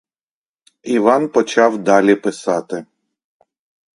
Іван почав далі писати.